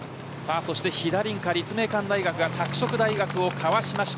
そして飛田凛香立命館大学が拓殖大学をかわしました。